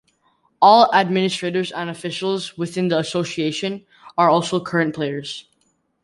All administrators and officials within the association are also current players.